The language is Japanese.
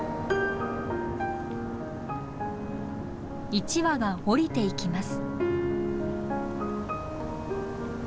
一羽が降りていきます。